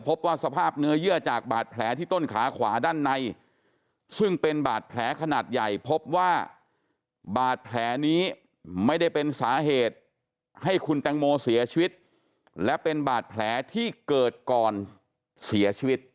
พบว่าสภาพเนื้อเยื่อจากบาดแผลที่ต้นขาขวาด้านในซึ่งเป็นบาดแผลขนาดใหญ่